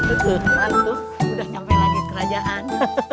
udah nyampe lagi kerajaan